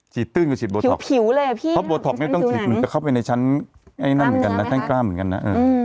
ฉีดตื้นก็ฉีดโบท็อกซ์พอโบท็อกซ์ไม่ต้องฉีดมันก็เข้าไปในชั้นกล้ามเหมือนกันนะ